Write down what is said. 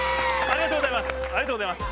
ありがとうございます。